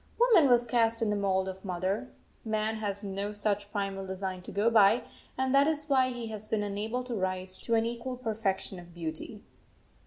Woman was cast in the mould of mother. Man has no such primal design to go by, and that is why he has been unable to rise to an equal perfection of beauty.